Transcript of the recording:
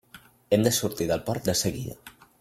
Hem de sortir del port de seguida.